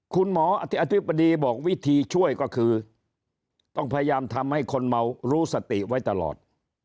อธิอธิบดีบอกวิธีช่วยก็คือต้องพยายามทำให้คนเมารู้สติไว้ตลอด